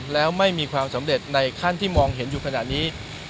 แล้วไม่มีความสำเร็จในขั้นที่มองเห็นอยู่ขณะนี้